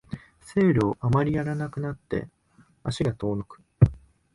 セールをあまりやらなくなって足が遠のく